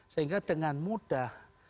sehingga dengan mudah